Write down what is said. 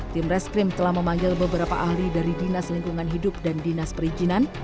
tim reskrim telah memanggil beberapa ahli dari dinas lingkungan hidup dan dinas perizinan